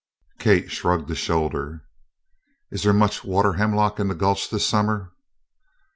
Kate shrugged a shoulder. "Is there much water hemlock in the gulch this summer?"